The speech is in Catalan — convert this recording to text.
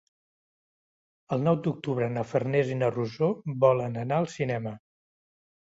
El nou d'octubre na Farners i na Rosó volen anar al cinema.